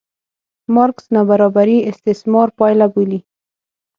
مارکس نابرابري استثمار پایله بولي.